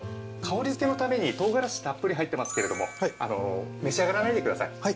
香り付けのために唐辛子たっぷり入ってますけれども召し上がらないでください。